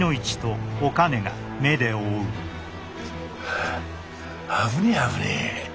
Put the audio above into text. はあ危ねえ危ねえ。